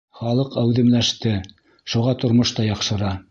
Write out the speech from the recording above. Халыҡ әүҙемләште, шуға тормош та яҡшыра